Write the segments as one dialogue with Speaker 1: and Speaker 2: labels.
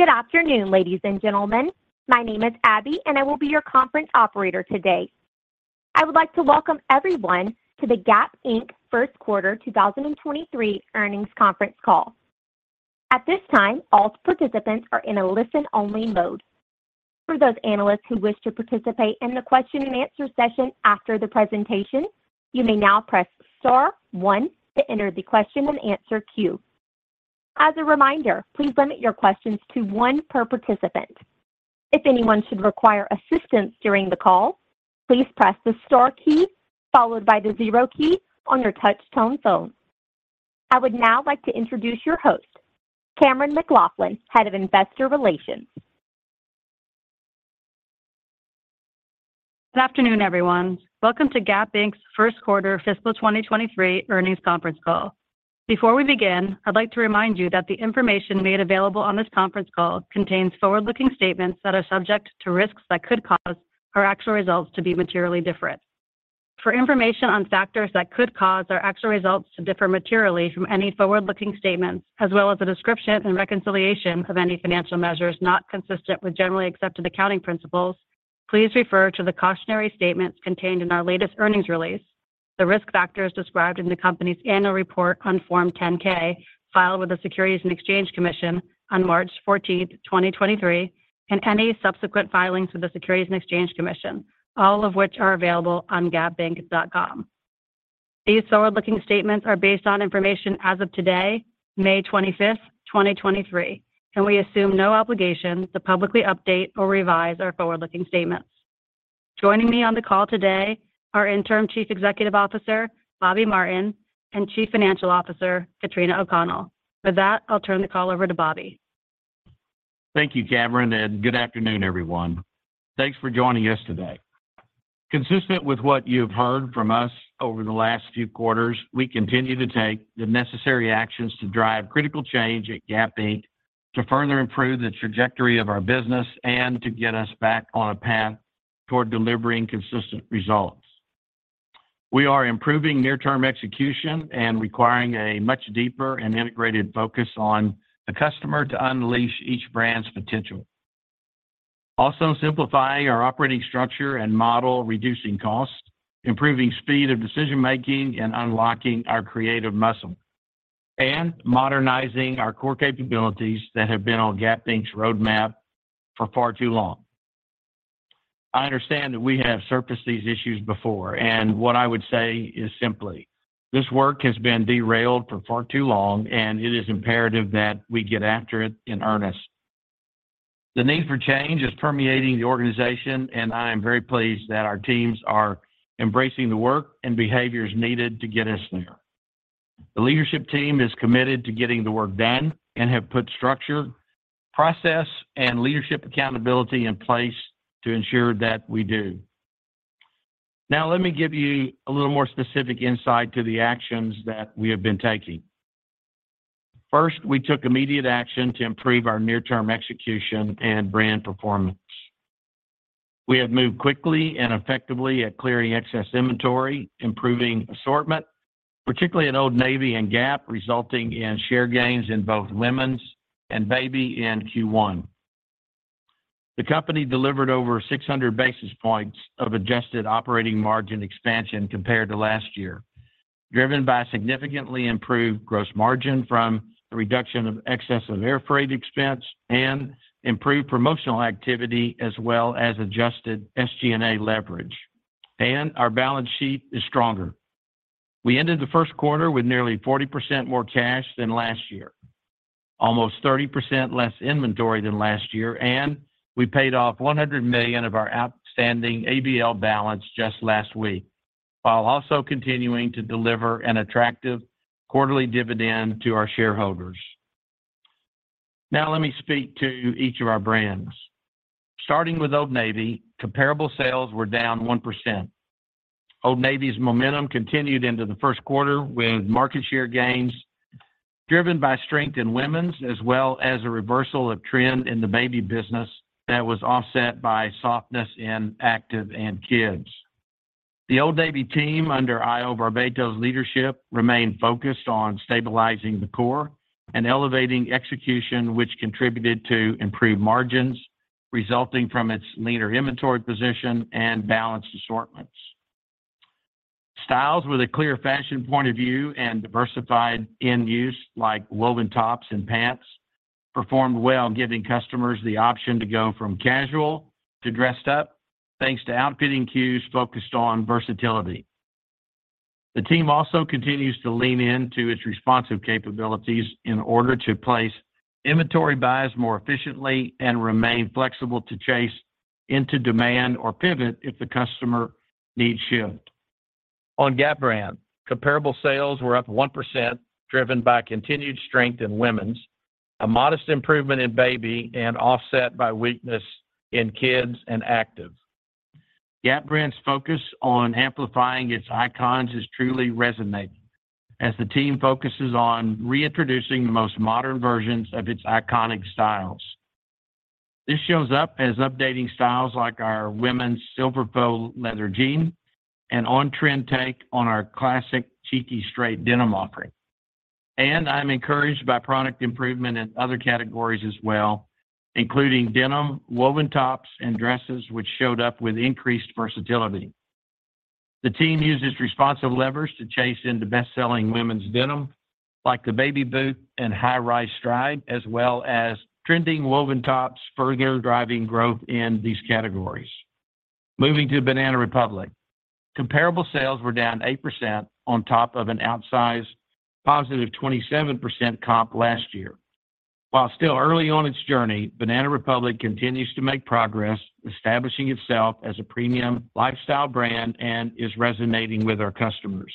Speaker 1: Good afternoon, ladies and gentlemen. My name is Abby, and I will be your conference operator today. I would like to welcome everyone to the Gap Inc. First Quarter 2023 Earnings Conference Call. At this time, all participants are in a listen-only mode. For those analysts who wish to participate in the question-and-answer session after the presentation, you may now press star one to enter the question-and-answer queue. As a reminder, please limit your questions to one per participant. If anyone should require assistance during the call, please press the star key followed by the zero key on your touch-tone phone. I would now like to introduce your host, Cameron McLaughlin, Head of Investor Relations.
Speaker 2: Good afternoon, everyone. Welcome to Gap Inc.'s First Quarter Fiscal 2023 Earnings Conference Call. Before we begin, I'd like to remind you that the information made available on this conference call contains forward-looking statements that are subject to risks that could cause our actual results to be materially different. For information on factors that could cause our actual results to differ materially from any forward-looking statements, as well as a description and reconciliation of any financial measures not consistent with generally accepted accounting principles, please refer to the cautionary statements contained in our latest earnings release, the risk factors described in the company's annual report on Form 10-K, filed with the Securities and Exchange Commission on March 14th, 2023, and any subsequent filings with the Securities and Exchange Commission, all of which are available on gapinc.com. These forward-looking statements are based on information as of today, May 25th, 2023. We assume no obligation to publicly update or revise our forward-looking statements. Joining me on the call today, are Interim Chief Executive Officer, Bobby Martin, and Chief Financial Officer, Katrina O'Connell. With that, I'll turn the call over to Bobby.
Speaker 3: Thank you, Cameron. Good afternoon, everyone. Thanks for joining us today. Consistent with what you've heard from us over the last few quarters, we continue to take the necessary actions to drive critical change at Gap Inc. to further improve the trajectory of our business and to get us back on a path toward delivering consistent results. We are improving near-term execution and requiring a much deeper and integrated focus on the customer to unleash each brand's potential. Simplifying our operating structure and model, reducing costs, improving speed of decision-making, and unlocking our creative muscle, and modernizing our core capabilities that have been on Gap Inc.'s roadmap for far too long. I understand that we have surfaced these issues before. What I would say is simply, this work has been derailed for far too long. It is imperative that we get after it in earnest. The need for change is permeating the organization. I am very pleased that our teams are embracing the work and behaviors needed to get us there. The leadership team is committed to getting the work done and have put structure, process, and leadership accountability in place to ensure that we do. Let me give you a little more specific insight to the actions that we have been taking. First, we took immediate action to improve our near-term execution and brand performance. We have moved quickly and effectively at clearing excess inventory, improving assortment, particularly at Old Navy and Gap, resulting in share gains in both women's and baby in Q1. The company delivered over 600 basis points of adjusted operating margin expansion compared to last year, driven by significantly improved gross margin from the reduction of excess of air freight expense and improved promotional activity, as well as adjusted SG&A leverage. Our balance sheet is stronger. We ended the first quarter with nearly 40% more cash than last year, almost 30% less inventory than last year, and we paid off $100 million of our outstanding ABL balance just last week, while also continuing to deliver an attractive quarterly dividend to our shareholders. Let me speak to each of our brands. Starting with Old Navy, comparable sales were down 1%. Old Navy's momentum continued into the first quarter, with market share gains driven by strength in women's, as well as a reversal of trend in the baby business that was offset by softness in active and kids. The Old Navy team, under Horacio Barbeito's leadership, remained focused on stabilizing the core and elevating execution, which contributed to improved margins resulting from its leaner inventory position and balanced assortments. Styles with a clear fashion point of view and diversified end use, like woven tops and pants, performed well, giving customers the option to go from casual to dressed up, thanks to outfitting cues focused on versatility. The team also continues to lean into its responsive capabilities in order to place inventory buys more efficiently and remain flexible to chase into demand or pivot if the customer needs shift. On Gap brand, comparable sales were up 1%, driven by continued strength in women's, a modest improvement in baby, and offset by weakness in kids and active. Gap brand's focus on amplifying its icons is truly resonating as the team focuses on reintroducing the most modern versions of its iconic styles. This shows up as updating styles like our women's silver faux leather jean, an on-trend take on our classic Cheeky Straight denim offering. I'm encouraged by product improvement in other categories as well, including denim, woven tops, and dresses, which showed up with increased versatility. The team uses responsive levers to chase into best-selling women's denim, like the Baby Boot and High Rise Stride, as well as trending woven tops, further driving growth in these categories. Moving to Banana Republic. Comparable sales were down 8% on top of an outsized positive 27% comp last year. While still early on its journey, Banana Republic continues to make progress, establishing itself as a premium lifestyle brand and is resonating with our customers.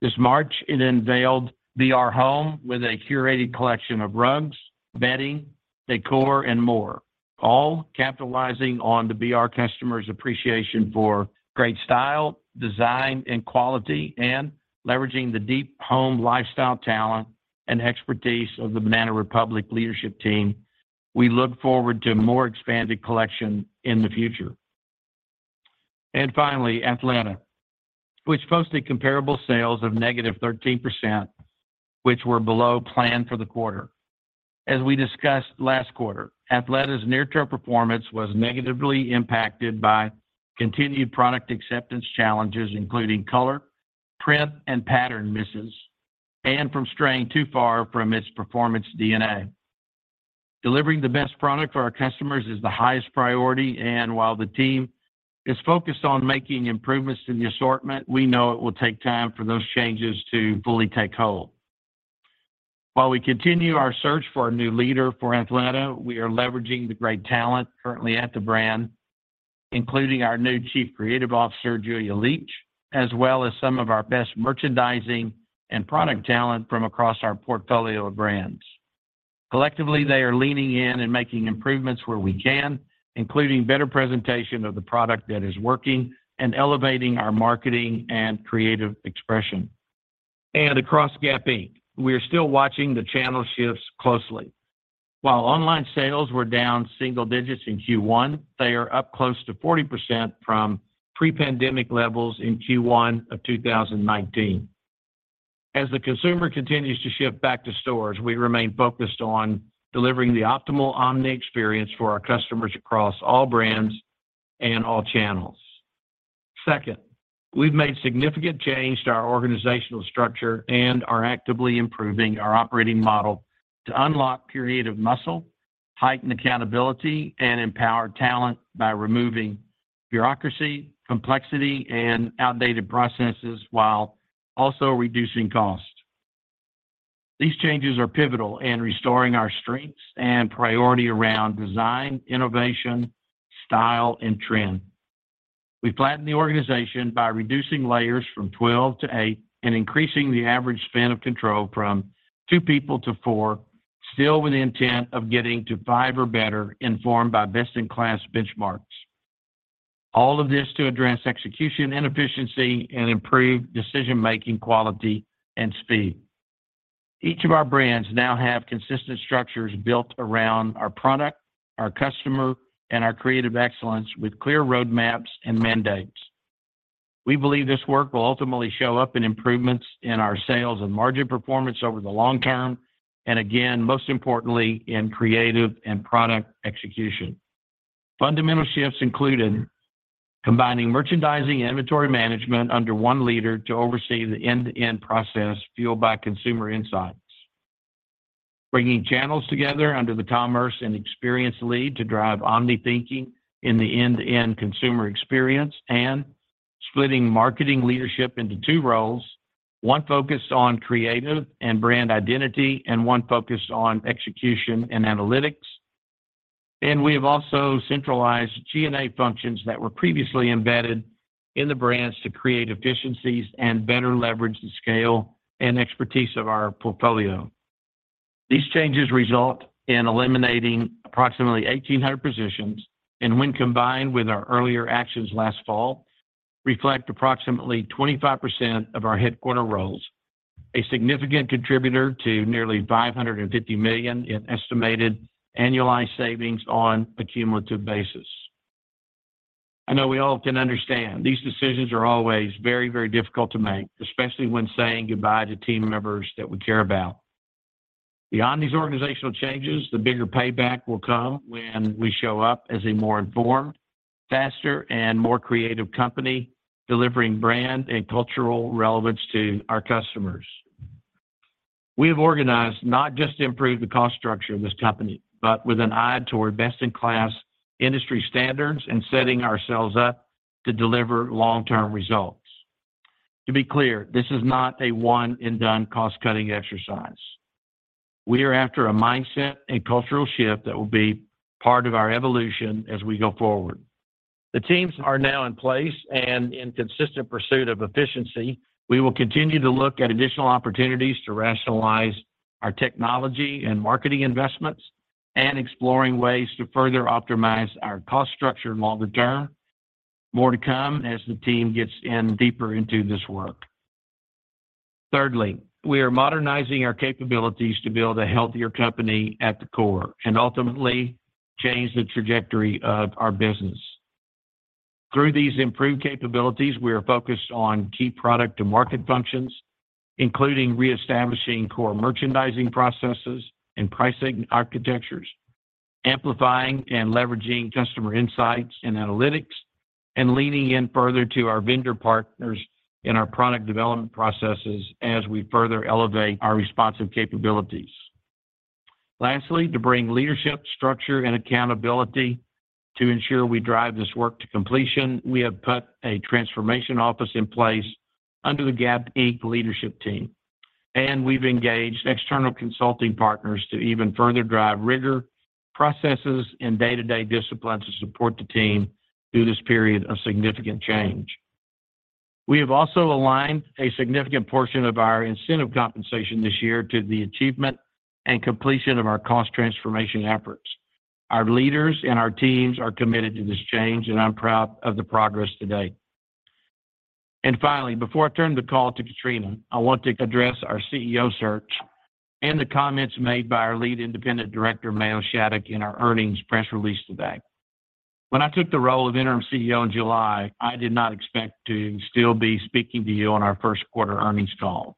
Speaker 3: This March, it unveiled BR Home with a curated collection of rugs, bedding, decor, and more, all capitalizing on the BR customers' appreciation for great style, design, and quality, and leveraging the deep home lifestyle talent and expertise of the Banana Republic leadership team. We look forward to a more expanded collection in the future. Finally, Athleta, which posted comparable sales of negative 13%, which were below plan for the quarter. As we discussed last quarter, Athleta's near-term performance was negatively impacted by continued product acceptance challenges, including color, print, and pattern misses, and from straying too far from its performance DNA. Delivering the best product for our customers is the highest priority, while the team is focused on making improvements to the assortment, we know it will take time for those changes to fully take hold. While we continue our search for a new leader for Athleta, we are leveraging the great talent currently at the brand, including our new Chief Creative Officer, Julia Leach, as well as some of our best merchandising and product talent from across our portfolio of brands. Collectively, they are leaning in and making improvements where we can, including better presentation of the product that is working and elevating our marketing and creative expression. Across Gap Inc., we are still watching the channel shifts closely. While online sales were down single digits in Q1, they are up close to 40% from pre-pandemic levels in Q1 of 2019. As the consumer continues to shift back to stores, we remain focused on delivering the optimal omni experience for our customers across all brands and all channels. Second, we've made significant change to our organizational structure and are actively improving our operating model to unlock period of muscle, heighten accountability, and empower talent by removing bureaucracy, complexity, and outdated processes, while also reducing costs. These changes are pivotal in restoring our strengths and priority around design, innovation, style, and trend. We flattened the organization by reducing layers from 12 to eight and increasing the average span of control from two people to four, still with the intent of getting to five or better, informed by best-in-class benchmarks. All of this to address execution and efficiency and improve decision-making, quality, and speed. Each of our brands now have consistent structures built around our product, our customer, and our creative excellence with clear roadmaps and mandates. We believe this work will ultimately show up in improvements in our sales and margin performance over the long term, and again, most importantly, in creative and product execution. Fundamental shifts included combining merchandising and inventory management under one leader to oversee the end-to-end process fueled by consumer insights. Bringing channels together under the commerce and experience lead to drive omni thinking in the end-to-end consumer experience, and splitting marketing leadership into two roles, one focused on creative and brand identity, and one focused on execution and analytics. We have also centralized G&A functions that were previously embedded in the brands to create efficiencies and better leverage the scale and expertise of our portfolio. These changes result in eliminating approximately 1,800 positions, and when combined with our earlier actions last fall, reflect approximately 25% of our headquarter roles, a significant contributor to nearly $550 million in estimated annualized savings on a cumulative basis. I know we all can understand, these decisions are always very, very difficult to make, especially when saying goodbye to team members that we care about. Beyond these organizational changes, the bigger payback will come when we show up as a more informed, faster, and more creative company, delivering brand and cultural relevance to our customers. We have organized not just to improve the cost structure of this company, but with an eye toward best-in-class industry standards and setting ourselves up to deliver long-term results. To be clear, this is not a one-and-done cost-cutting exercise. We are after a mindset and cultural shift that will be part of our evolution as we go forward. The teams are now in place and in consistent pursuit of efficiency. We will continue to look at additional opportunities to rationalize our technology and marketing investments and exploring ways to further optimize our cost structure longer term. More to come as the team gets in deeper into this work. Thirdly, we are modernizing our capabilities to build a healthier company at the core, and ultimately, change the trajectory of our business. Through these improved capabilities, we are focused on key product to market functions, including reestablishing core merchandising processes and pricing architectures, amplifying and leveraging customer insights and analytics, and leaning in further to our vendor partners in our product development processes as we further elevate our responsive capabilities. Lastly, to bring leadership, structure, and accountability to ensure we drive this work to completion, we have put a transformation office in place under the Gap Inc. leadership team. We've engaged external consulting partners to even further drive rigor, processes, and day-to-day discipline to support the team through this period of significant change. We have also aligned a significant portion of our incentive compensation this year to the achievement and completion of our cost transformation efforts. Our leaders and our teams are committed to this change. I'm proud of the progress today. Finally, before I turn the call to Katrina, I want to address our CEO search and the comments made by our Lead Independent Director, Mayo Shattuck, in our earnings press release today. When I took the role of interim CEO in July, I did not expect to still be speaking to you on our first quarter earnings call.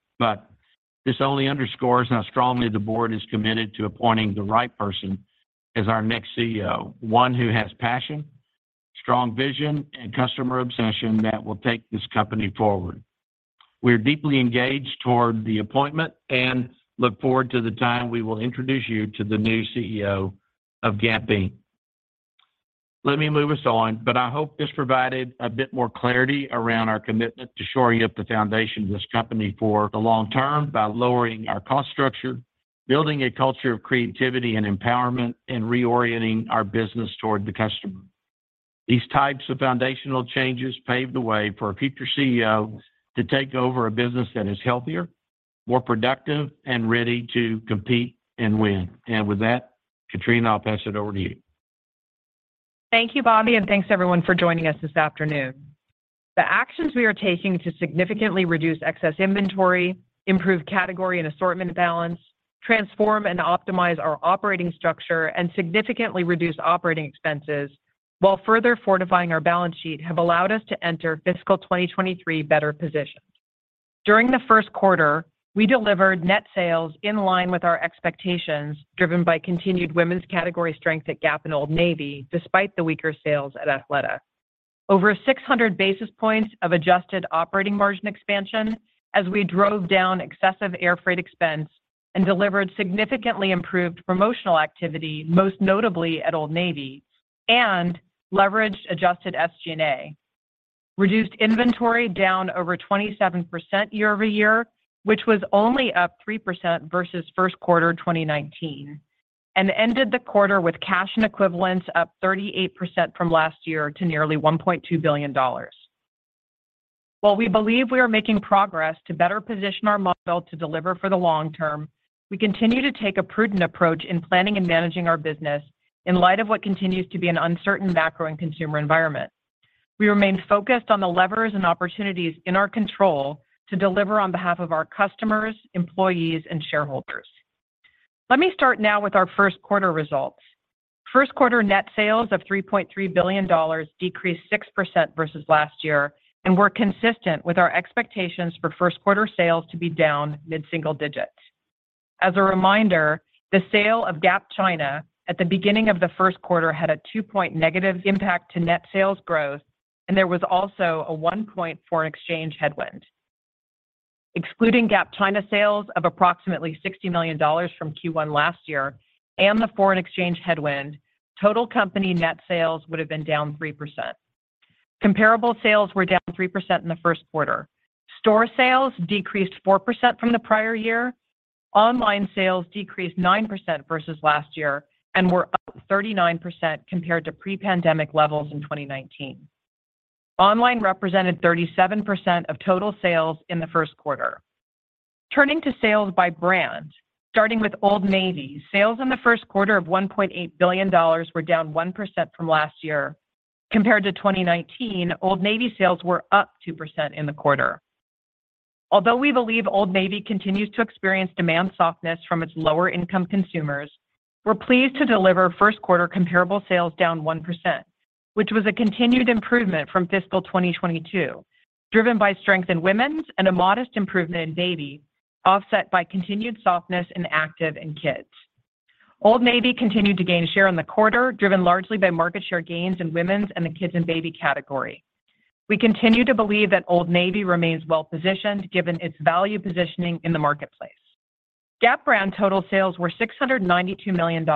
Speaker 3: This only underscores how strongly the board is committed to appointing the right person as our next CEO, one who has passion, strong vision, and customer obsession that will take this company forward. We are deeply engaged toward the appointment and look forward to the time we will introduce you to the new CEO of Gap Inc. Let me move us on. I hope this provided a bit more clarity around our commitment to shoring up the foundation of this company for the long term by lowering our cost structure, building a culture of creativity and empowerment, and reorienting our business toward the customer. These types of foundational changes pave the way for a future CEO to take over a business that is healthier, more productive, and ready to compete and win. With that, Katrina, I'll pass it over to you.
Speaker 4: Thank you, Bobby, and thanks everyone for joining us this afternoon. The actions we are taking to significantly reduce excess inventory, improve category and assortment balance, transform and optimize our operating structure, and significantly reduce operating expenses while further fortifying our balance sheet, have allowed us to enter fiscal 2023 better positioned. During the first quarter, we delivered net sales in line with our expectations, driven by continued women's category strength at Gap and Old Navy, despite the weaker sales at Athleta. Over 600 basis points of adjusted operating margin expansion as we drove down excessive air freight expense and delivered significantly improved promotional activity, most notably at Old Navy, and leveraged adjusted SG&A. Reduced inventory down over 27% year-over-year, which was only up 3% versus first quarter 2019, ended the quarter with cash and equivalents up 38% from last year to nearly $1.2 billion. While we believe we are making progress to better position our model to deliver for the long term, we continue to take a prudent approach in planning and managing our business in light of what continues to be an uncertain macro and consumer environment. We remain focused on the levers and opportunities in our control to deliver on behalf of our customers, employees, and shareholders. Let me start now with our first quarter results. First quarter net sales of $3.3 billion decreased 6% versus last year and were consistent with our expectations for first quarter sales to be down mid-single digits. As a reminder, the sale of Gap China at the beginning of the first quarter had a two-point negative impact to net sales growth, and there was also a one point foreign exchange headwind. Excluding Gap China sales of approximately $60 million from Q1 last year and the foreign exchange headwind, total company net sales would have been down 3%. Comparable sales were down 3% in the first quarter. Store sales decreased 4% from the prior year. Online sales decreased 9% versus last year and were up 39% compared to pre-pandemic levels in 2019. Online represented 37% of total sales in the first quarter. Turning to sales by brand, starting with Old Navy, sales in the first quarter of $1.8 billion were down 1% from last year. Compared to 2019, Old Navy sales were up 2% in the quarter. Although we believe Old Navy continues to experience demand softness from its lower-income consumers, we're pleased to deliver first quarter comparable sales down 1%, which was a continued improvement from fiscal 2022, driven by strength in women's and a modest improvement in baby, offset by continued softness in active and kids. Old Navy continued to gain share in the quarter, driven largely by market share gains in women's and the kids and baby category. We continue to believe that Old Navy remains well-positioned, given its value positioning in the marketplace. Gap brand total sales were $692 million.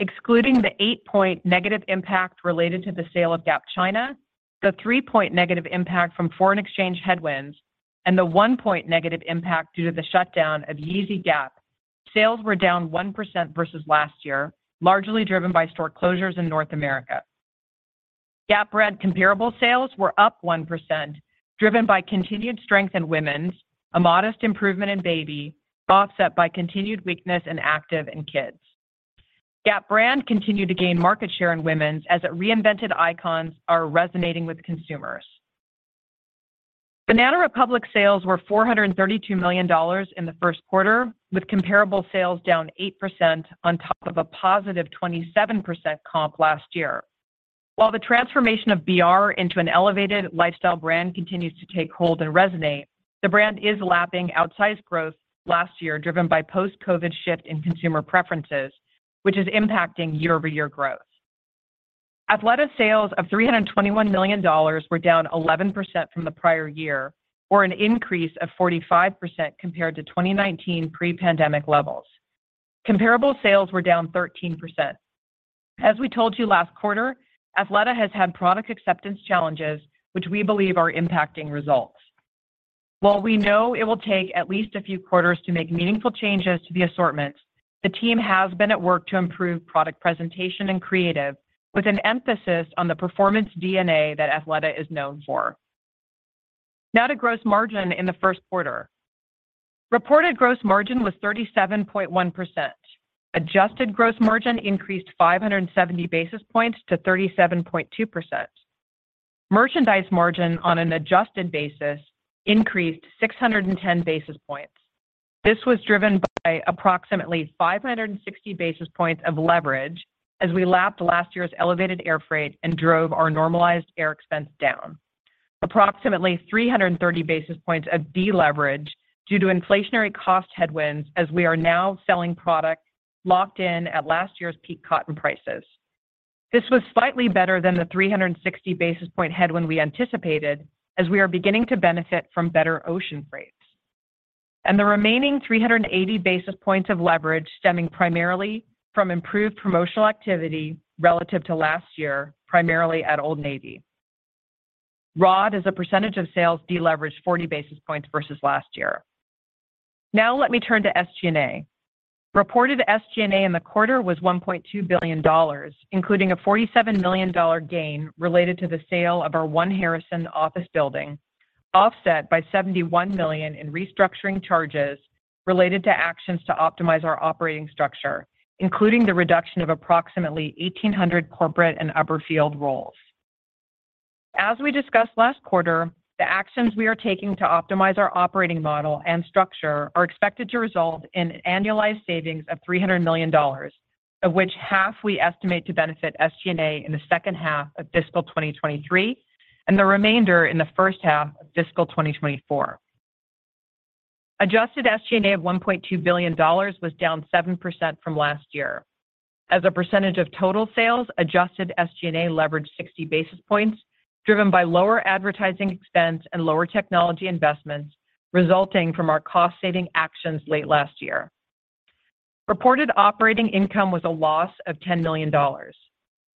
Speaker 4: Excluding the 8-point negative impact related to the sale of Gap China, the 3-point negative impact from foreign exchange headwinds, and the 1-point negative impact due to the shutdown of Yeezy Gap, sales were down 1% versus last year, largely driven by store closures in North America. Gap brand comparable sales were up 1%, driven by continued strength in women's, a modest improvement in baby, offset by continued weakness in active and kids.... Gap brand continued to gain market share in women's as it reinvented icons are resonating with consumers. Banana Republic sales were $432 million in the first quarter, with comparable sales down 8% on top of a positive 27% comp last year. While the transformation of BR into an elevated lifestyle brand continues to take hold and resonate, the brand is lapping outsized growth last year, driven by post-COVID shift in consumer preferences, which is impacting year-over-year growth. Athleta sales of $321 million were down 11% from the prior year, or an increase of 45% compared to 2019 pre-pandemic levels. Comparable sales were down 13%. As we told you last quarter, Athleta has had product acceptance challenges, which we believe are impacting results. While we know it will take at least a few quarters to make meaningful changes to the assortments, the team has been at work to improve product presentation and creative, with an emphasis on the performance DNA that Athleta is known for. Now to gross margin in the first quarter. Reported gross margin was 37.1%. Adjusted gross margin increased 570 basis points to 37.2%. Merchandise margin on an adjusted basis increased 610 basis points. This was driven by approximately 560 basis points of leverage as we lapped last year's elevated air freight and drove our normalized air expense down. Approximately 330 basis points of deleverage due to inflationary cost headwinds, as we are now selling product locked in at last year's peak cotton prices. This was slightly better than the 360 basis point headwind we anticipated as we are beginning to benefit from better ocean rates. The remaining 380 basis points of leverage stemming primarily from improved promotional activity relative to last year, primarily at Old Navy. ROD as a percentage of sales deleveraged 40 basis points versus last year. Let me turn to SG&A. Reported SG&A in the quarter was $1.2 billion, including a $47 million gain related to the sale of our One Harrison office building, offset by $71 million in restructuring charges related to actions to optimize our operating structure, including the reduction of approximately 1,800 corporate and upper-field roles. As we discussed last quarter, the actions we are taking to optimize our operating model and structure are expected to result in annualized savings of $300 million, of which half we estimate to benefit SG&A in the second half of fiscal 2023, and the remainder in the first half of fiscal 2024. Adjusted SG&A of $1.2 billion was down 7% from last year. As a percentage of total sales, adjusted SG&A leveraged 60 basis points, driven by lower advertising expense and lower technology investments, resulting from our cost-saving actions late last year. Reported operating income was a loss of $10 million.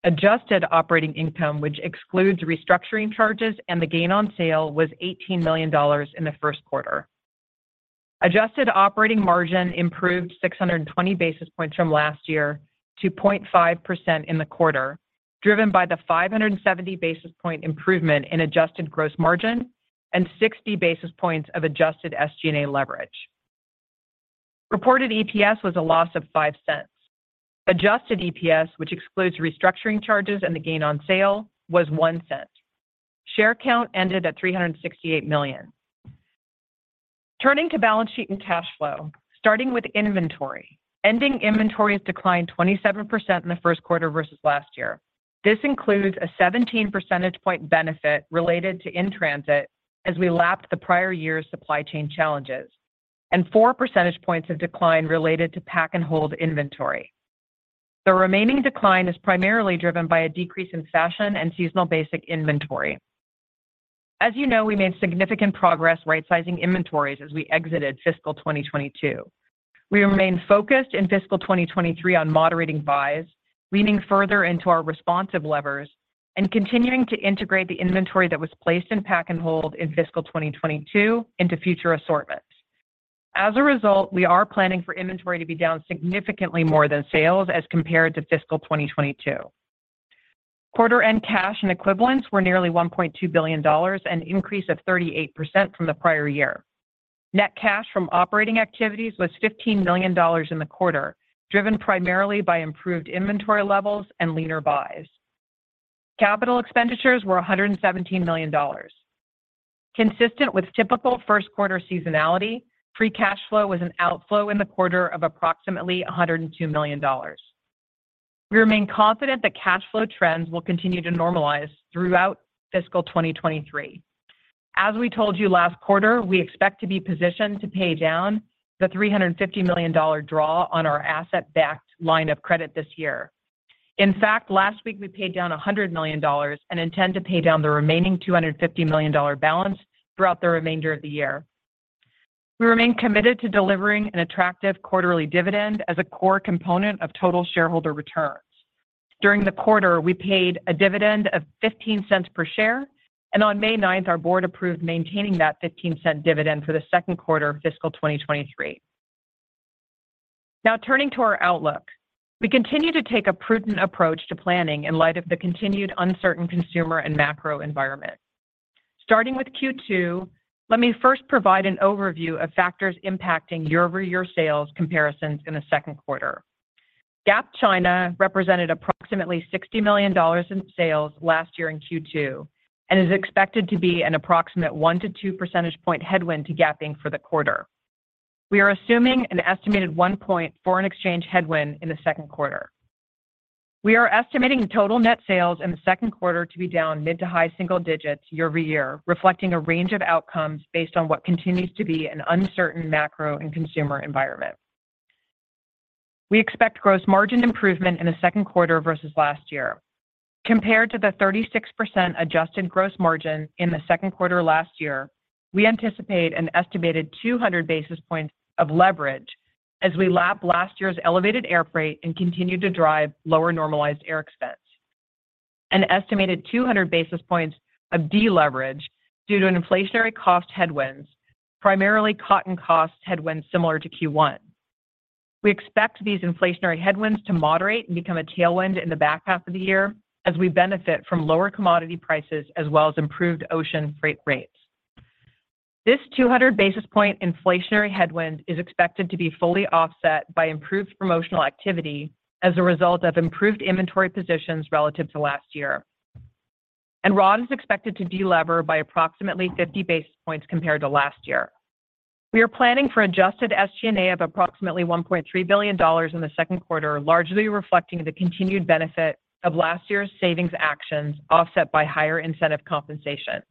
Speaker 4: Adjusted operating income, which excludes restructuring charges and the gain on sale, was $18 million in the first quarter. Adjusted operating margin improved 620 basis points from last year to 0.5% in the quarter, driven by the 570 basis point improvement in adjusted gross margin and 60 basis points of adjusted SG&A leverage. Reported EPS was a loss of $0.05. Adjusted EPS, which excludes restructuring charges and the gain on sale, was $0.01. Share count ended at 368 million. Turning to balance sheet and cash flow, starting with inventory. Ending inventories declined 27% in the first quarter versus last year. This includes a 17 percentage point benefit related to in-transit as we lapped the prior year's supply chain challenges, and 4 percentage points of decline related to pack and hold inventory. The remaining decline is primarily driven by a decrease in fashion and seasonal basic inventory. As you know, we made significant progress rightsizing inventories as we exited fiscal 2022. We remain focused in fiscal 2023 on moderating buys, leaning further into our responsive levers and continuing to integrate the inventory that was placed in pack and hold in fiscal 2022 into future assortments. As a result, we are planning for inventory to be down significantly more than sales as compared to fiscal 2022. Quarter-end cash and equivalents were nearly $1.2 billion, an increase of 38% from the prior year. Net cash from operating activities was $15 million in the quarter, driven primarily by improved inventory levels and leaner buys. Capital expenditures were $117 million. Consistent with typical first quarter seasonality, free cash flow was an outflow in the quarter of approximately $102 million. We remain confident that cash flow trends will continue to normalize throughout fiscal 2023. As we told you last quarter, we expect to be positioned to pay down the $350 million draw on our asset-backed line of credit this year. In fact, last week, we paid down $100 million and intend to pay down the remaining $250 million balance throughout the remainder of the year. We remain committed to delivering an attractive quarterly dividend as a core component of total shareholder returns. During the quarter, we paid a dividend of $0.15 per share. On May ninth, our board approved maintaining that $0.15 dividend for the second quarter of fiscal 2023. Turning to our outlook. We continue to take a prudent approach to planning in light of the continued uncertain consumer and macro environment. Starting with Q2, let me first provide an overview of factors impacting year-over-year sales comparisons in the second quarter. Gap China represented approximately $60 million in sales last year in Q2, and is expected to be an approximate 1-2 percentage point headwind to Gap Inc. for the quarter. We are assuming an estimated one point foreign exchange headwind in the second quarter. We are estimating total net sales in the second quarter to be down mid to high single digits year-over-year, reflecting a range of outcomes based on what continues to be an uncertain macro and consumer environment. We expect gross margin improvement in the second quarter versus last year. Compared to the 36% adjusted gross margin in the second quarter last year, we anticipate an estimated 200 basis points of leverage as we lap last year's elevated air freight and continue to drive lower normalized air expense. An estimated 200 basis points of deleverage due to inflationary cost headwinds, primarily cotton cost headwinds, similar to Q1. We expect these inflationary headwinds to moderate and become a tailwind in the back half of the year as we benefit from lower commodity prices, as well as improved ocean freight rates. This 200 basis point inflationary headwind is expected to be fully offset by improved promotional activity as a result of improved inventory positions relative to last year. ROD is expected to delever by approximately 50 basis points compared to last year. We are planning for adjusted SG&A of approximately $1.3 billion in the second quarter, largely reflecting the continued benefit of last year's savings actions, offset by higher incentive compensation.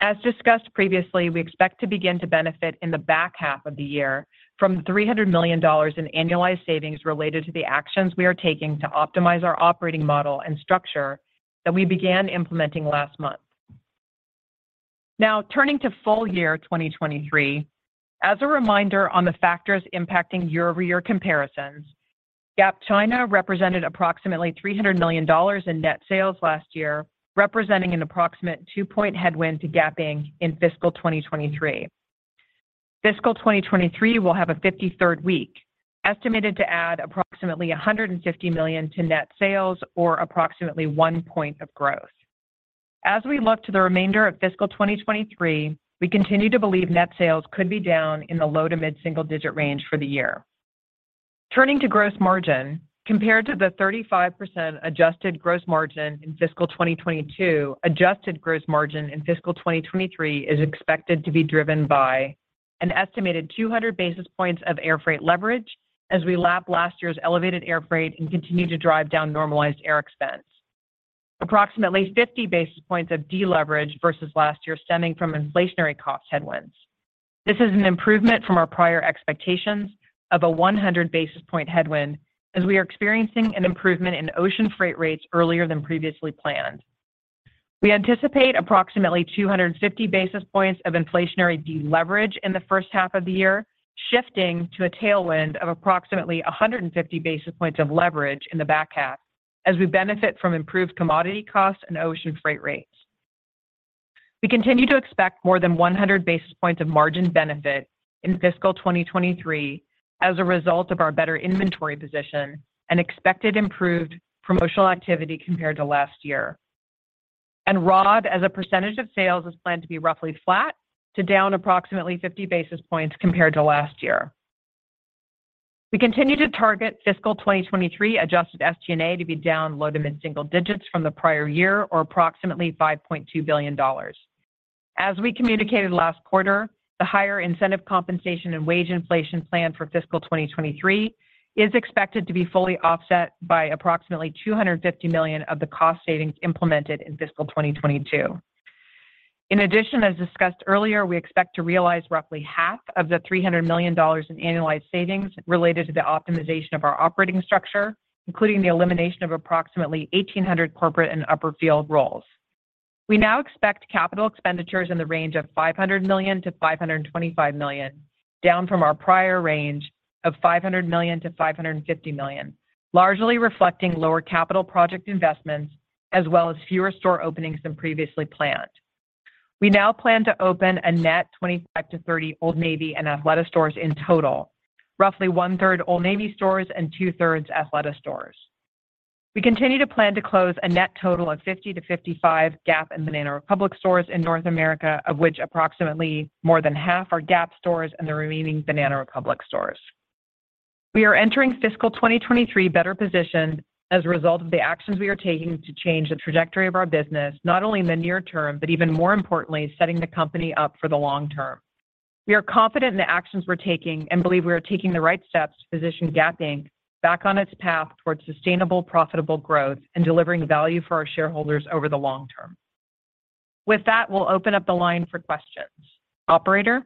Speaker 4: As discussed previously, we expect to begin to benefit in the back half of the year from $300 million in annualized savings related to the actions we are taking to optimize our operating model and structure that we began implementing last month. Turning to full year 2023. As a reminder on the factors impacting year-over-year comparisons, Gap China represented approximately $300 million in net sales last year, representing an approximate 2-point headwind to Gap Inc. in fiscal 2023. Fiscal 2023 will have a 53rd week, estimated to add approximately $150 million to net sales or approximately 1 point of growth. As we look to the remainder of fiscal 2023, we continue to believe net sales could be down in the low to mid single digit range for the year. Turning to gross margin, compared to the 35% adjusted gross margin in fiscal 2022, adjusted gross margin in fiscal 2023 is expected to be driven by an estimated 200 basis points of airfreight leverage as we lap last year's elevated air freight and continue to drive down normalized air expense. Approximately 50 basis points of deleverage versus last year, stemming from inflationary cost headwinds. This is an improvement from our prior expectations of a 100 basis point headwind, as we are experiencing an improvement in ocean freight rates earlier than previously planned. We anticipate approximately 250 basis points of inflationary deleverage in the first half of the year, shifting to a tailwind of approximately 150 basis points of leverage in the back half as we benefit from improved commodity costs and ocean freight rates. We continue to expect more than 100 basis points of margin benefit in fiscal 2023 as a result of our better inventory position and expected improved promotional activity compared to last year. ROD, as a % of sales, is planned to be roughly flat to down approximately 50 basis points compared to last year. We continue to target fiscal 2023 adjusted SG&A to be down low to mid single digits from the prior year, or approximately $5.2 billion. As we communicated last quarter, the higher incentive compensation and wage inflation plan for fiscal 2023 is expected to be fully offset by approximately $250 million of the cost savings implemented in fiscal 2022. In addition, as discussed earlier, we expect to realize roughly half of the $300 million in annualized savings related to the optimization of our operating structure, including the elimination of approximately 1,800 corporate and upper field roles. We now expect CapEx in the range of $500 million-$525 million, down from our prior range of $500 million-$550 million, largely reflecting lower capital project investments as well as fewer store openings than previously planned. We now plan to open a net 25-30 Old Navy and Athleta stores in total, roughly one third Old Navy stores and two-thirds Athleta stores. We continue to plan to close a net total of 50-55 Gap and Banana Republic stores in North America, of which approximately more than half are Gap stores and the remaining Banana Republic stores. We are entering fiscal 2023 better positioned as a result of the actions we are taking to change the trajectory of our business, not only in the near term, but even more importantly, setting the company up for the long term. We are confident in the actions we're taking and believe we are taking the right steps to position Gap Inc. back on its path towards sustainable, profitable growth and delivering value for our shareholders over the long term. With that, we'll open up the line for questions. Operator?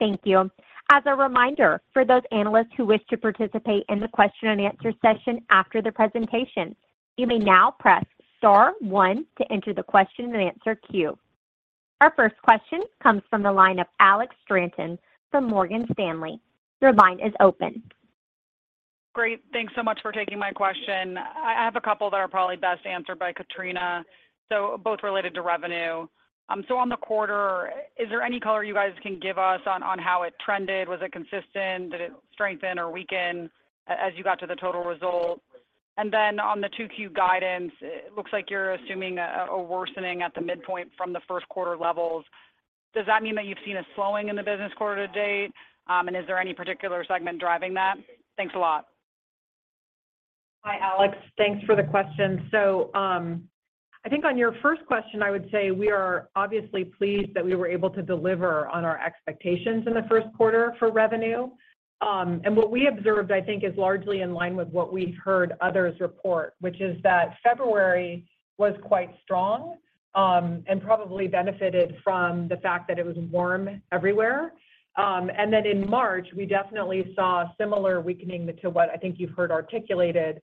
Speaker 1: Thank you. As a reminder, for those analysts who wish to participate in the question and answer session after the presentation, you may now press star one to enter the question and answer queue. Our first question comes from the line of Alexandra Straton from Morgan Stanley. Your line is open.
Speaker 5: Great. Thanks so much for taking my question. I have a couple that are probably best answered by Katrina, both related to revenue. On the quarter, is there any color you guys can give us on how it trended? Was it consistent? Did it strengthen or weaken as you got to the total result? On the 2Q guidance, it looks like you're assuming a worsening at the midpoint from the first quarter levels. Does that mean that you've seen a slowing in the business quarter to date, and is there any particular segment driving that? Thanks a lot.
Speaker 4: Hi, Alex. Thanks for the question. I think on your first question, I would say we are obviously pleased that we were able to deliver on our expectations in the first quarter for revenue. What we observed, I think, is largely in line with what we've heard others report, which is that February was quite strong, and probably benefited from the fact that it was warm everywhere. In March, we definitely saw a similar weakening to what I think you've heard articulated,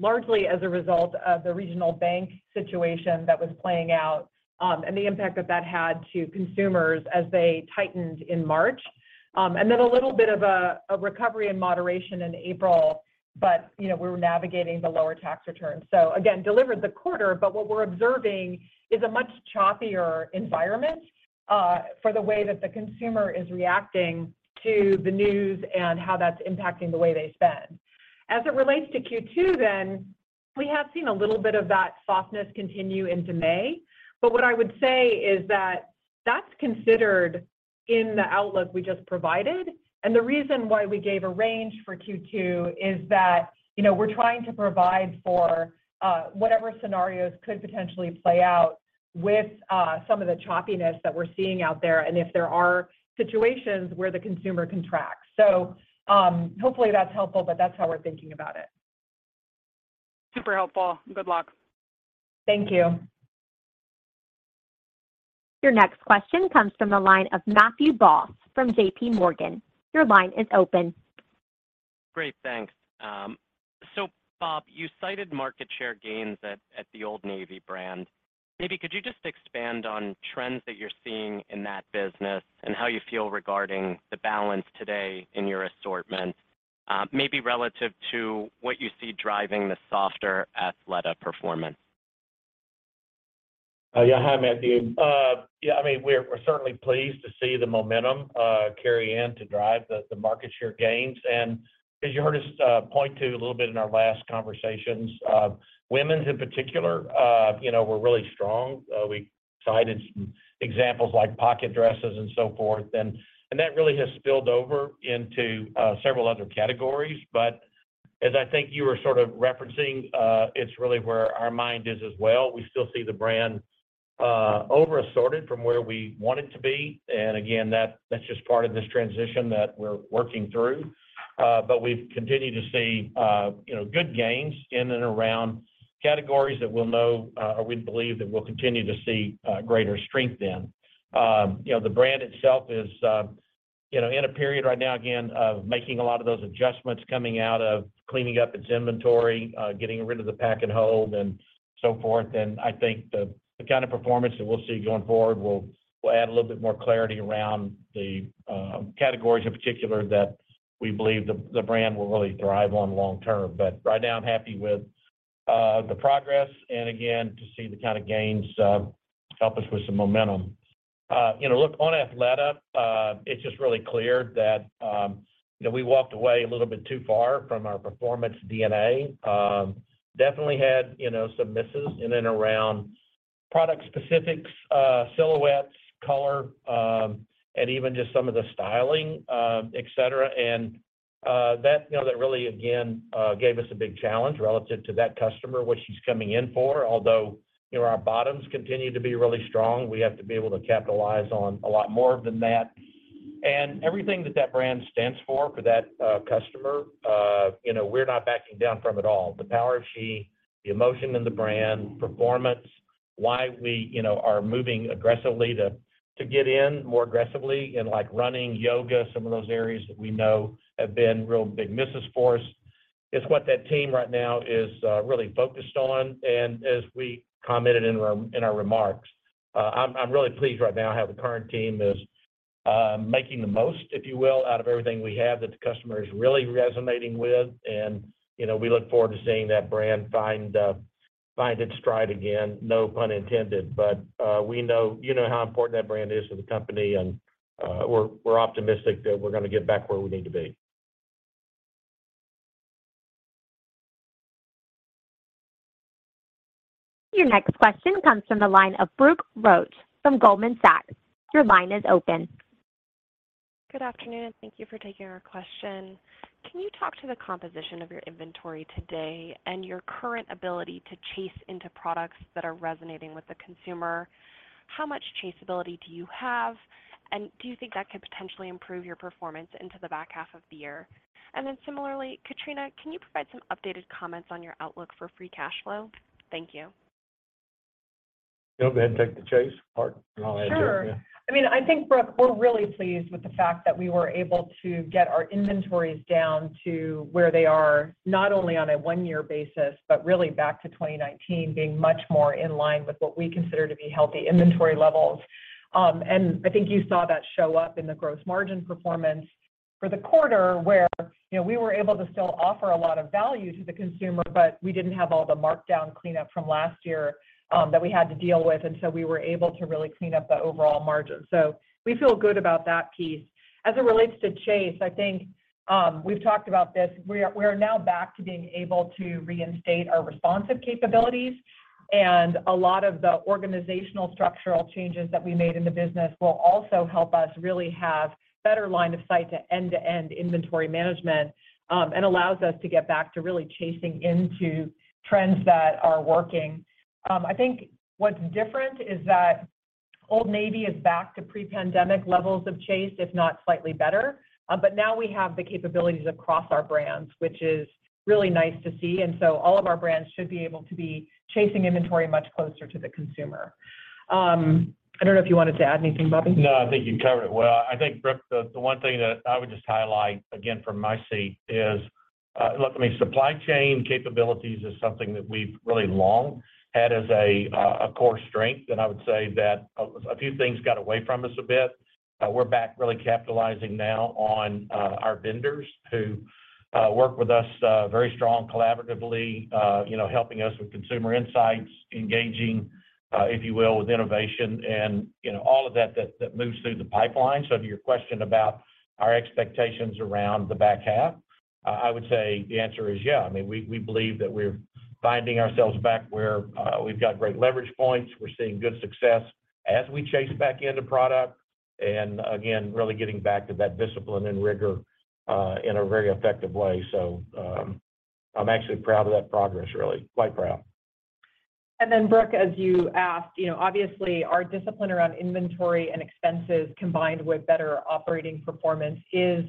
Speaker 4: largely as a result of the regional bank situation that was playing out, and the impact that that had to consumers as they tightened in March. A little bit of a recovery and moderation in April, you know, we were navigating the lower tax returns. Delivered the quarter, but what we're observing is a much choppier environment for the way that the consumer is reacting to the news and how that's impacting the way they spend. We have seen a little bit of that softness continue into May. That's considered in the outlook we just provided. The reason why we gave a range for Q2 is that, you know, we're trying to provide for whatever scenarios could potentially play out with some of the choppiness that we're seeing out there, and if there are situations where the consumer contracts. Hopefully, that's helpful, but that's how we're thinking about it.
Speaker 5: Super helpful. Good luck.
Speaker 4: Thank you.
Speaker 1: Your next question comes from the line of Matthew Boss from JPMorgan. Your line is open.
Speaker 6: Great. Thanks. Bob, you cited market share gains at the Old Navy brand. Maybe could you just expand on trends that you're seeing in that business and how you feel regarding the balance today in your assortment, maybe relative to what you see driving the softer Athleta performance?
Speaker 3: Yeah. Hi, Matthew. Yeah, I mean, we're certainly pleased to see the momentum carry in to drive the market share gains. As you heard us point to a little bit in our last conversations, women's in particular, you know, we're really strong. We cited some examples like pocket dresses and so forth. That really has spilled over into several other categories. As I think you were sort of referencing, it's really where our mind is as well. We still see the brand over assorted from where we want it to be. Again, that's just part of this transition that we're working through. We've continued to see, you know, good gains in and around categories that we'll know, or we believe that we'll continue to see greater strength in. You know, the brand itself is, you know, in a period right now, again, of making a lot of those adjustments coming out of cleaning up its inventory, getting rid of the pack and hold, and so forth. I think the kind of performance that we'll see going forward will add a little bit more clarity around the categories in particular that we believe the brand will really thrive on long term. Right now I'm happy with the progress, and again, to see the kind of gains help us with some momentum. You know, look, on Athleta, it's just really clear that, you know, we walked away a little bit too far from our performance DNA. Definitely had, you know, some misses in and around product specifics, silhouettes, color, and even just some of the styling, et cetera. That, you know, that really, again, gave us a big challenge relative to that customer, what she's coming in for. Although, you know, our bottoms continue to be really strong, we have to be able to capitalize on a lot more than that. Everything that that brand stands for that, customer, you know, we're not backing down from at all. The power she, the emotion in the brand, performance, why we, you know, are moving aggressively to get in more aggressively in, like, running, yoga, some of those areas that we know have been real big misses for us, is what that team right now is really focused on. As we commented in our, in our remarks, I'm really pleased right now how the current team is making the most, if you will, out of everything we have, that the customer is really resonating with. You know, we look forward to seeing that brand find its stride again, no pun intended. We know you know how important that brand is to the company, and we're optimistic that we're gonna get back where we need to be.
Speaker 1: Your next question comes from the line of Brooke Roach from Goldman Sachs. Your line is open.
Speaker 7: Good afternoon, thank you for taking our question. Can you talk to the composition of your inventory today and your current ability to chase into products that are resonating with the consumer? How much chase ability do you have, do you think that could potentially improve your performance into the back half of the year? Similarly, Katrina, can you provide some updated comments on your outlook for free cash flow? Thank you.
Speaker 3: You want me to take the chase part, and I'll add to it?
Speaker 4: Sure. I mean, I think, Brooke, we're really pleased with the fact that we were able to get our inventories down to where they are, not only on a 1-year basis, but really back to 2019, being much more in line with what we consider to be healthy inventory levels. I think you saw that show up in the gross margin performance for the quarter, where, you know, we were able to still offer a lot of value to the consumer, but we didn't have all the markdown cleanup from last year, that we had to deal with. We were able to really clean up the overall margin. We feel good about that piece. As it relates to chase, I think, we've talked about this. We are now back to being able to reinstate our responsive capabilities, and a lot of the organizational structural changes that we made in the business will also help us really have better line of sight to end-to-end inventory management, and allows us to get back to really chasing into trends that are working. I think what's different is that Old Navy is back to pre-pandemic levels of chase, if not slightly better. Now we have the capabilities across our brands, which is really nice to see, and so all of our brands should be able to be chasing inventory much closer to the consumer. I don't know if you wanted to add anything, Bobby?
Speaker 3: No, I think you covered it well. I think, Brooke, the one thing that I would just highlight again from my seat is, look, I mean, supply chain capabilities is something that we've really long had as a core strength, and I would say that a few things got away from us a bit. We're back really capitalizing now on our vendors who work with us very strong, collaboratively, you know, helping us with consumer insights, engaging, if you will, with innovation and, you know, all of that moves through the pipeline. To your question about our expectations around the back half, I would say the answer is yeah. I mean, we believe that we're finding ourselves back where we've got great leverage points. We're seeing good success as we chase back into product, and again, really getting back to that discipline and rigor, in a very effective way. I'm actually proud of that progress, really. Quite proud.
Speaker 4: Brooke, as you asked, you know, obviously, our discipline around inventory and expenses, combined with better operating performance is,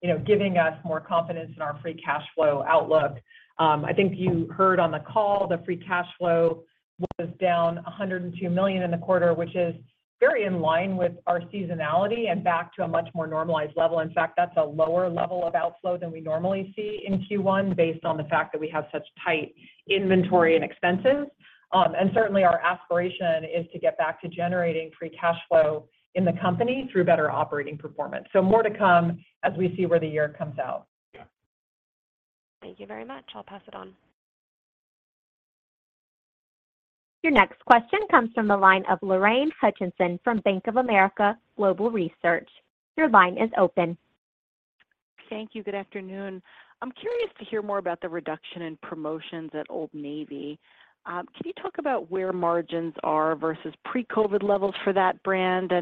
Speaker 4: you know, giving us more confidence in our free cash flow outlook. I think you heard on the call, the free cash flow was down $102 million in the quarter, which is very in line with our seasonality and back to a much more normalized level. In fact, that's a lower level of outflow than we normally see in Q1, based on the fact that we have such tight inventory and expenses. Certainly, our aspiration is to get back to generating free cash flow in the company through better operating performance. More to come as we see where the year comes out.
Speaker 3: Yeah.
Speaker 7: Thank you very much. I'll pass it on.
Speaker 1: Your next question comes from the line of Lorraine Hutchinson from Bank of America Global Research. Your line is open.
Speaker 8: Thank you. Good afternoon. I'm curious to hear more about the reduction in promotions at Old Navy. Can you talk about where margins are versus pre-COVID levels for that brand,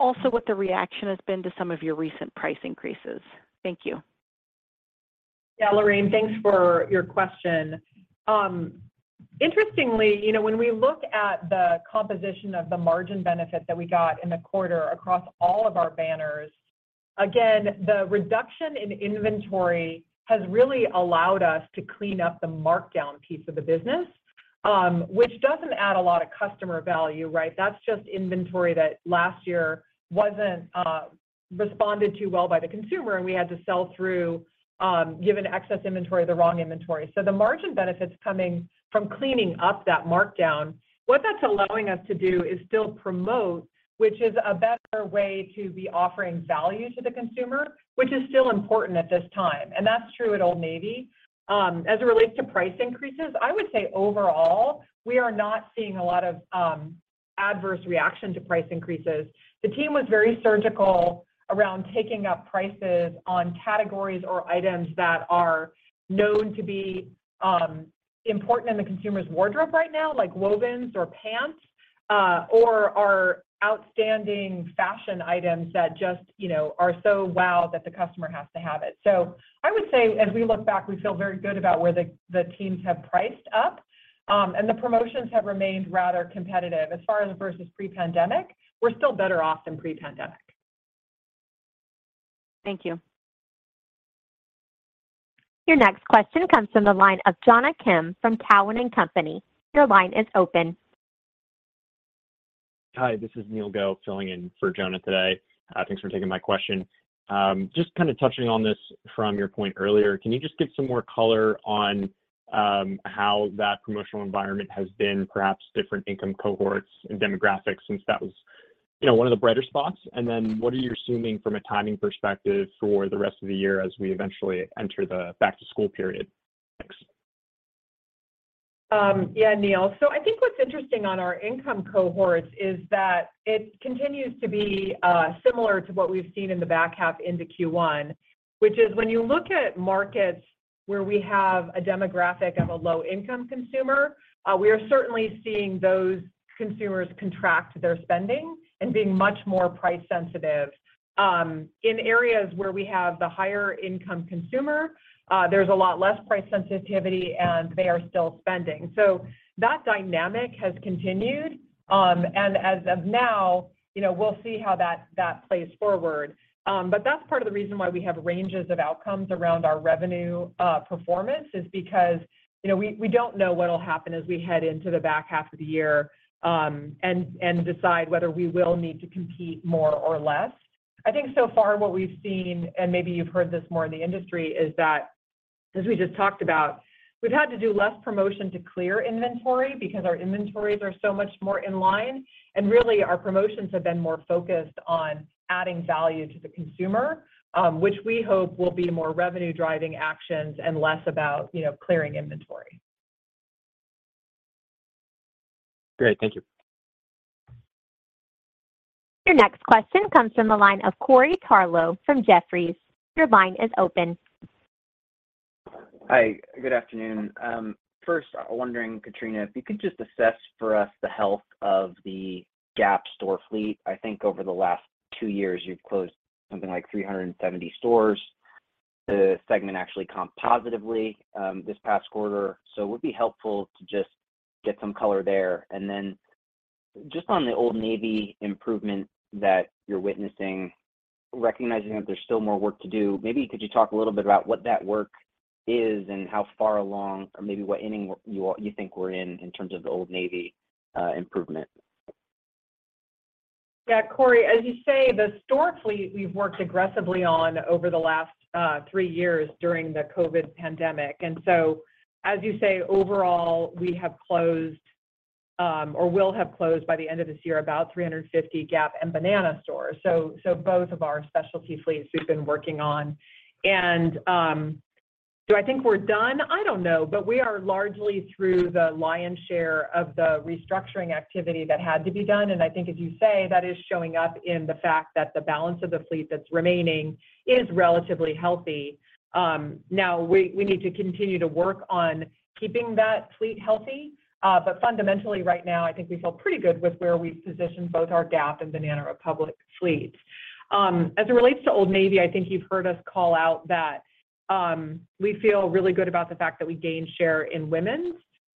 Speaker 8: also what the reaction has been to some of your recent price increases? Thank you.
Speaker 4: Yeah, Lorraine, thanks for your question. Interestingly, you know, when we look at the composition of the margin benefit that we got in the quarter across all of our banners, again, the reduction in inventory has really allowed us to clean up the markdown piece of the business, which doesn't add a lot of customer value, right? That's just inventory that last year wasn't responded to well by the consumer, and we had to sell through given excess inventory, the wrong inventory. The margin benefit's coming from cleaning up that markdown. What that's allowing us to do is still promote, which is a better way to be offering value to the consumer, which is still important at this time, and that's true at Old Navy. As it relates to price increases, I would say overall, we are not seeing a lot of adverse reaction to price increases. The team was very surgical around taking up prices on categories or items that are known to be important in the consumer's wardrobe right now, like wovens or pants, or are outstanding fashion items that just, you know, are so wow that the customer has to have it. I would say, as we look back, we feel very good about where the teams have priced up, and the promotions have remained rather competitive. As far as versus pre-pandemic, we're still better off than pre-pandemic.
Speaker 8: Thank you.
Speaker 1: Your next question comes from the line of Jonna Kim from TD Cowen. Your line is open.
Speaker 9: Hi, this is Neil Goh, filling in for Jonna today. Thanks for taking my question. Just kind of touching on this from your point earlier, can you just give some more color on how that promotional environment has been, perhaps different income cohorts and demographics, since that was, you know, one of the brighter spots? Then, what are you assuming from a timing perspective for the rest of the year as we eventually enter the back-to-school period? Thanks.
Speaker 4: Yeah, Neil. I think what's interesting on our income cohorts is that it continues to be similar to what we've seen in the back half into Q1, which is when you look at markets where we have a demographic of a low-income consumer, we are certainly seeing those consumers contract their spending and being much more price sensitive. In areas where we have the higher income consumer, there's a lot less price sensitivity, and they are still spending. That dynamic has continued. As of now, you know, we'll see how that plays forward. That's part of the reason why we have ranges of outcomes around our revenue performance, is because, you know, we don't know what'll happen as we head into the back half of the year, and decide whether we will need to compete more or less. I think so far what we've seen, and maybe you've heard this more in the industry, as we just talked about, we've had to do less promotion to clear inventory because our inventories are so much more in line, and really, our promotions have been more focused on adding value to the consumer, which we hope will be more revenue-driving actions and less about, you know, clearing inventory.
Speaker 9: Great. Thank you.
Speaker 1: Your next question comes from the line of Corey Tarlowe from Jefferies. Your line is open.
Speaker 10: Hi, good afternoon. First, I'm wondering, Katrina, if you could just assess for us the health of the Gap store fleet. I think over the last two years, you've closed something like 370 stores. The segment actually comped positively this past quarter, so it would be helpful to just get some color there. Just on the Old Navy improvement that you're witnessing, recognizing that there's still more work to do, maybe could you talk a little bit about what that work is and how far along, or maybe what inning you think we're in terms of the Old Navy improvement?
Speaker 4: Yeah, Corey, as you say, the store fleet, we've worked aggressively on over the last 3 years during the COVID pandemic. As you say, overall, we have closed, or will have closed by the end of this year, about 350 Gap and Banana Republic stores. Both of our specialty fleets we've been working on. Do I think we're done? I don't know, but we are largely through the lion's share of the restructuring activity that had to be done, and I think as you say, that is showing up in the fact that the balance of the fleet that's remaining is relatively healthy. Now we need to continue to work on keeping that fleet healthy. Fundamentally, right now, I think we feel pretty good with where we've positioned both our Gap and Banana Republic fleets. As it relates to Old Navy, I think you've heard us call out that we feel really good about the fact that we gained share in women's.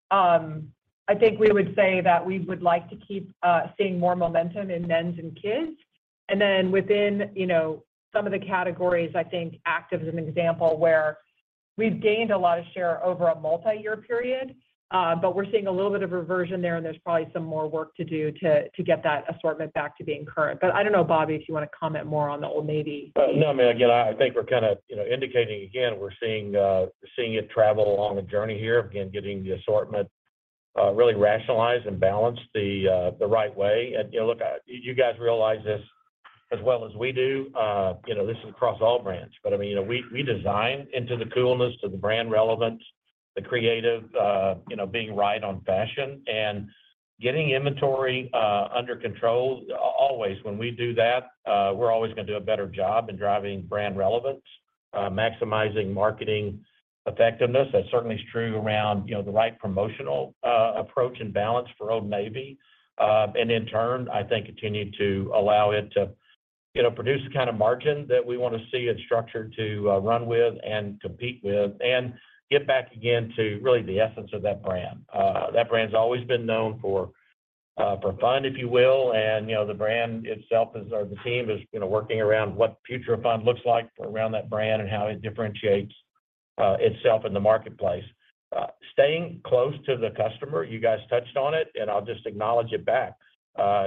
Speaker 4: I think we would say that we would like to keep seeing more momentum in men's and kids. Within, you know, some of the categories, I think, active as an example, where we've gained a lot of share over a multi-year period, but we're seeing a little bit of reversion there, and there's probably some more work to do to get that assortment back to being current. I don't know, Bobby, if you want to comment more on the Old Navy fleet.
Speaker 3: No, I mean, again, I think we're kinda, you know, indicating again, we're seeing seeing it travel along a journey here. Again, getting the assortment really rationalized and balanced the right way. You know, look, you guys realize this as well as we do, you know, this is across all brands, but I mean, you know, we design into the coolness to the brand relevance, the creative, you know, being right on fashion and getting inventory under control. Always, when we do that, we're always gonna do a better job in driving brand relevance, maximizing marketing effectiveness. That certainly is true around, you know, the right promotional approach and balance for Old Navy. In turn, I think continuing to allow it to, you know, produce the kind of margin that we wanna see it structured to run with and compete with, and get back again to really the essence of that brand. That brand's always been known for for fun, if you will, and, you know, the brand itself is or the team is, you know, working around what future of fun looks like around that brand and how it differentiates itself in the marketplace. Staying close to the customer, you guys touched on it, and I'll just acknowledge it back.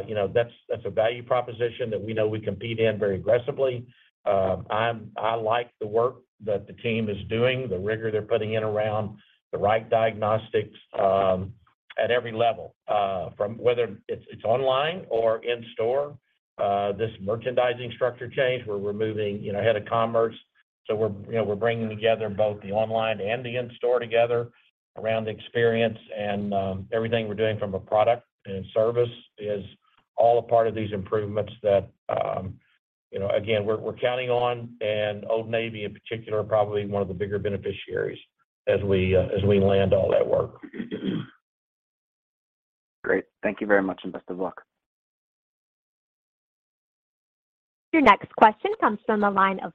Speaker 3: You know, that's a value proposition that we know we compete in very aggressively. I like the work that the team is doing, the rigor they're putting in around the right diagnostics, at every level, from whether it's online or in-store. This merchandising structure change, where we're moving, you know, Head of Commerce. We're bringing together both the online and the in-store together around the experience and everything we're doing from a product and service is all a part of these improvements that, you know, again, we're counting on, and Old Navy, in particular, probably one of the bigger beneficiaries as we land all that work.
Speaker 10: Great. Thank you very much, and best of luck.
Speaker 1: Your next question comes from the line of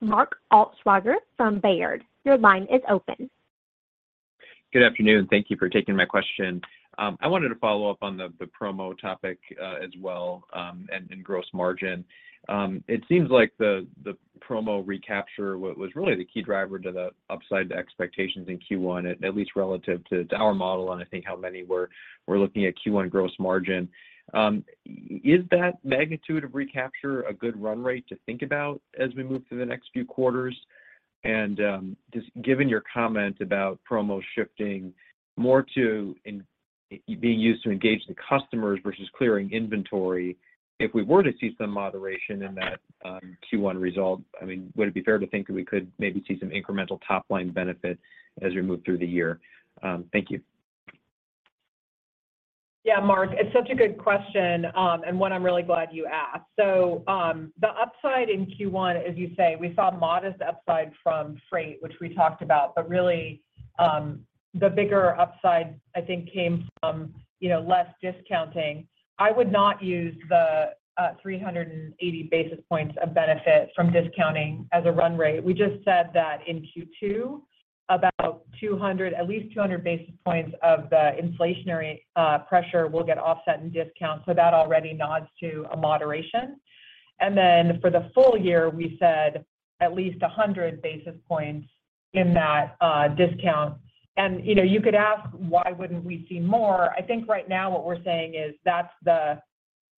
Speaker 1: Mark Altschwager from Baird. Your line is open.
Speaker 11: Good afternoon. Thank you for taking my question. I wanted to follow up on the promo topic as well, and gross margin. It seems like the promo recapture was really the key driver to the upside, the expectations in Q1, at least relative to our model, and I think how many we're looking at Q1 gross margin. Is that magnitude of recapture a good run rate to think about as we move through the next few quarters? Just given your comment about promo shifting more to being used to engage the customers versus clearing inventory, if we were to see some moderation in that Q1 result, would it be fair to think that we could maybe see some incremental top-line benefit as we move through the year? Thank you.
Speaker 4: Mark, it's such a good question, and one I'm really glad you asked. The upside in Q1, as you say, we saw modest upside from freight, which we talked about, but really, the bigger upside, I think, came from, you know, less discounting. I would not use the 380 basis points of benefit from discounting as a run rate. We just said that in Q2, about 200, at least 200 basis points of the inflationary pressure will get offset in discount, so that already nods to a moderation. For the full year, we said at least 100 basis points in that discount. You know, you could ask, why wouldn't we see more? I think right now what we're saying is that's the.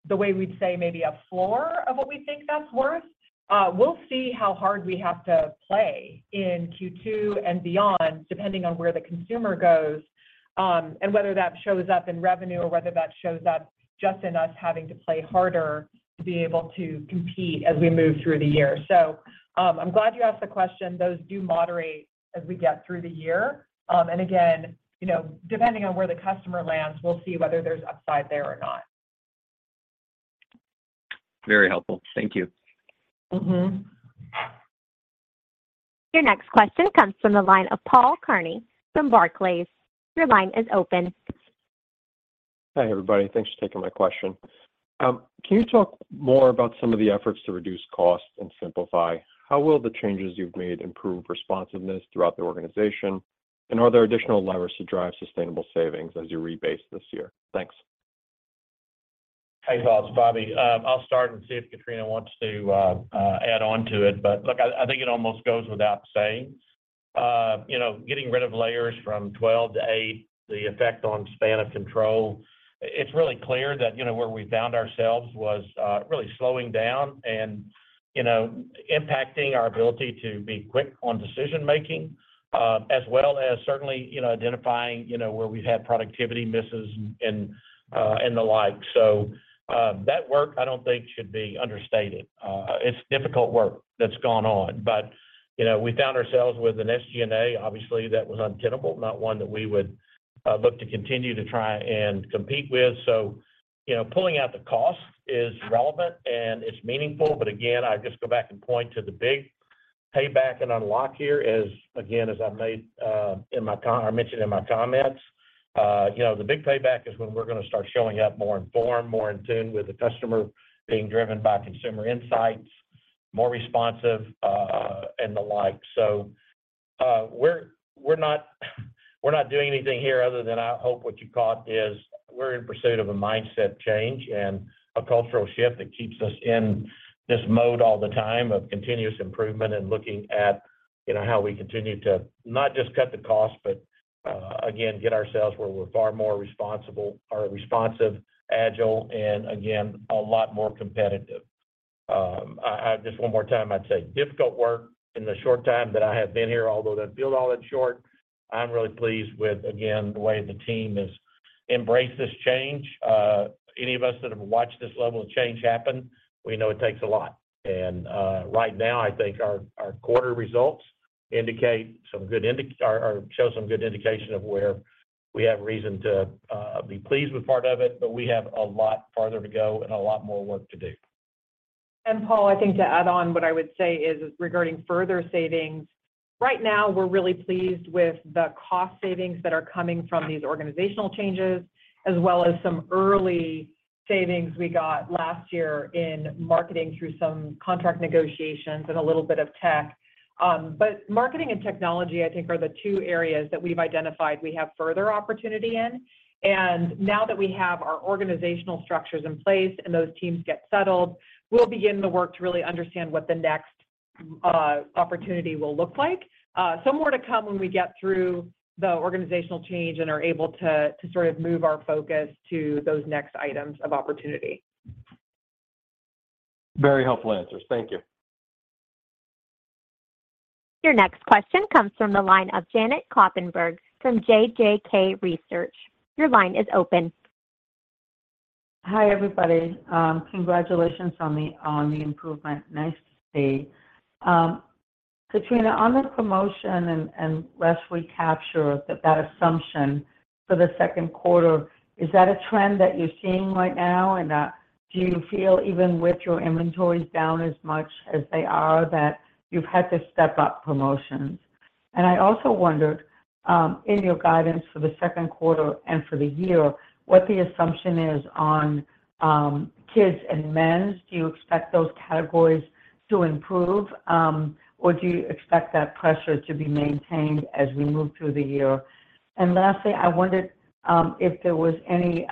Speaker 4: the way we'd say maybe a floor of what we think that's worth, we'll see how hard we have to play in Q2 and beyond, depending on where the consumer goes, and whether that shows up in revenue or whether that shows up just in us having to play harder to be able to compete as we move through the year. I'm glad you asked the question. Those do moderate as we get through the year. You know, depending on where the customer lands, we'll see whether there's upside there or not.
Speaker 11: Very helpful. Thank you.
Speaker 4: Mm-hmm.
Speaker 1: Your next question comes from the line of Paul Lejuez from Barclays. Your line is open.
Speaker 12: Hi, everybody. Thanks for taking my question. Can you talk more about some of the efforts to reduce costs and simplify? How will the changes you've made improve responsiveness throughout the organization? Are there additional levers to drive sustainable savings as you rebase this year? Thanks.
Speaker 3: Hey, Paul Lejuez, it's Bobby Martin. I'll start and see if Katrina O'Connell wants to add on to it. Look, I think it almost goes without saying, you know, getting rid of layers from 12 to 8, the effect on span of control, it's really clear that, you know, where we found ourselves was really slowing down and, you know, impacting our ability to be quick on decision making, as well as certainly, you know, identifying, you know, where we've had productivity misses and the like. That work I don't think should be understated. It's difficult work that's gone on, but, you know, we found ourselves with an SG&A, obviously, that was untenable, not one that we would look to continue to try and compete with. You know, pulling out the cost is relevant and it's meaningful, but again, I just go back and point to the big payback and unlock here is, again, as I mentioned in my comments, you know, the big payback is when we're gonna start showing up more informed, more in tune with the customer, being driven by consumer insights, more responsive, and the like. We're not doing anything here other than I hope what you caught is we're in pursuit of a mindset change and a cultural shift that keeps us in this mode all the time of continuous improvement and looking at, you know, how we continue to not just cut the cost, but again, get ourselves where we're far more responsible or responsive, agile, and again, a lot more competitive. I just one more time, I'd say difficult work in the short time that I have been here, although don't feel all that short. I'm really pleased with, again, the way the team has embraced this change. Any of us that have watched this level of change happen, we know it takes a lot. Right now, I think our quarter results indicate some good or show some good indication of where we have reason to be pleased with part of it, but we have a lot farther to go and a lot more work to do.
Speaker 4: Paul, I think to add on, what I would say is regarding further savings, right now, we're really pleased with the cost savings that are coming from these organizational changes, as well as some early savings we got last year in marketing through some contract negotiations and a little bit of tech. Marketing and technology, I think, are the two areas that we've identified we have further opportunity in. Now that we have our organizational structures in place and those teams get settled, we'll begin the work to really understand what the next opportunity will look like. More to come when we get through the organizational change and are able to sort of move our focus to those next items of opportunity.
Speaker 12: Very helpful answers. Thank you.
Speaker 1: Your next question comes from the line of Janet Kloppenburg from JJK Research. Your line is open.
Speaker 13: Hi, everybody. Congratulations on the improvement. Nice to see. Katrina, on the promotion and less recapture, that assumption for the second quarter, is that a trend that you're seeing right now? Do you feel even with your inventories down as much as they are, that you've had to step up promotions? I also wondered in your guidance for the second quarter and for the year, what the assumption is on kids and men's. Do you expect those categories to improve? Or do you expect that pressure to be maintained as we move through the year? Lastly, I wondered if there was any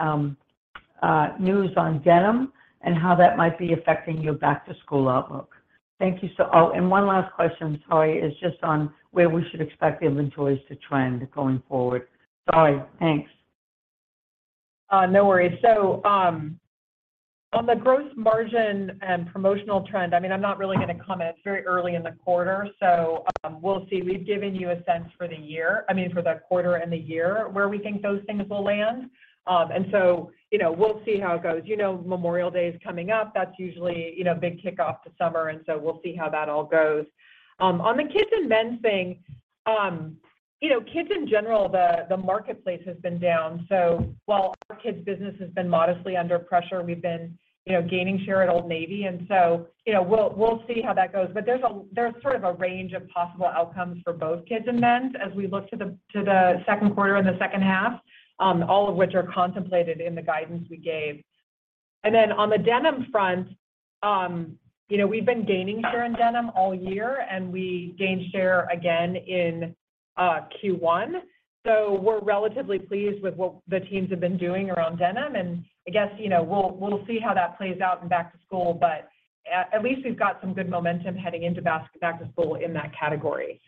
Speaker 13: news on denim and how that might be affecting your back-to-school outlook. Thank you so. Oh, one last question, sorry, is just on where we should expect the inventories to trend going forward. Sorry. Thanks.
Speaker 4: No worries. On the gross margin and promotional trend, I mean, I'm not really going to comment. It's very early in the quarter, so, we'll see. We've given you a sense for the quarter and the year where we think those things will land. You know, we'll see how it goes. You know, Memorial Day is coming up. That's usually, you know, big kickoff to summer, and so we'll see how that all goes. On the kids and men's thing, you know, kids in general, the marketplace has been down. While our kids business has been modestly under pressure, we've been, you know, gaining share at Old Navy, and so, you know, we'll see how that goes. There's sort of a range of possible outcomes for both kids and men's as we look to the second quarter and the second half, all of which are contemplated in the guidance we gave. On the denim front, you know, we've been gaining share in denim all year, and we gained share again in Q1. We're relatively pleased with what the teams have been doing around denim, and I guess, you know, we'll see how that plays out in back-to-school, but at least we've got some good momentum heading into back-to-school in that category.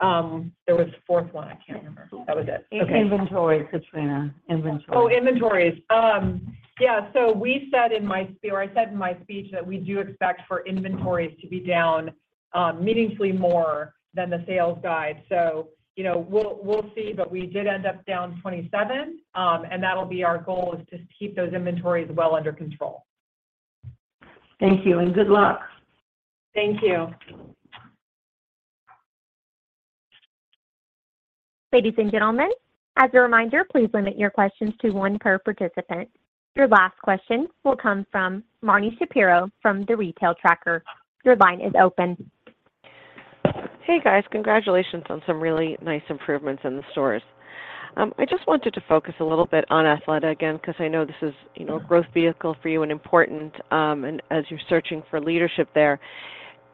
Speaker 4: There was a fourth one. I can't remember. That was it. Okay.
Speaker 13: Inventories, Katrina, inventories.
Speaker 4: Inventories. Yeah, I said in my speech that we do expect for inventories to be down meaningfully more than the sales guide. You know, we'll see, we did end up down 27%, that'll be our goal is to keep those inventories well under control.
Speaker 13: Thank you, and good luck.
Speaker 4: Thank you.
Speaker 1: Ladies and gentlemen, as a reminder, please limit your questions to one per participant. Your last question will come from Marni Shapiro from The Retail Tracker. Your line is open.
Speaker 14: Hey, guys. Congratulations on some really nice improvements in the stores. I just wanted to focus a little bit on Athleta again, because I know this is, you know, a growth vehicle for you and important. As you're searching for leadership there,